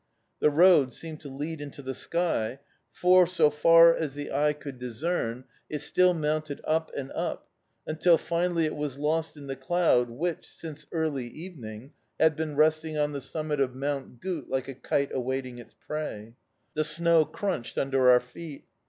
The road seemed to lead into the sky, for, so far as the eye could discern, it still mounted up and up, until finally it was lost in the cloud which, since early evening, had been resting on the summit of Mount Gut, like a kite awaiting its prey. The snow crunched under our feet.